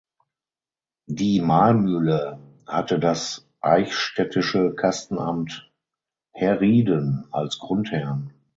Die Mahlmühle hatte das eichstättische Kastenamt Herrieden als Grundherrn.